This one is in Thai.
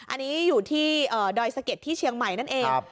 อันนี้อยู่ที่ดอยสะเก็ดที่เชียงใหม่นั่นเอง